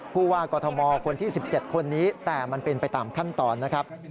ผู้ว่ากอทมคนที่๑๗คนนี้แต่มันเป็นไปตามขั้นตอนนะครับ